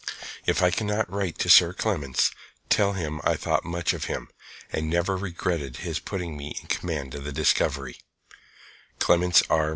'If I cannot write to Sir Clements, tell him I thought much of him, and never regretted his putting me in command of the Discovery.' CLEMENTS R.